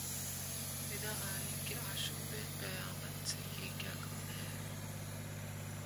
ندا آئی کہ آشوب قیامت سے یہ کیا کم ہے